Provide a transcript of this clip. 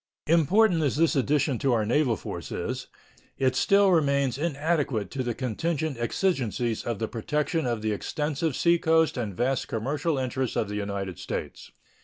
Important as this addition to our naval force is, it still remains inadequate to the contingent exigencies of the protection of the extensive seacoast and vast commercial interests of the United States.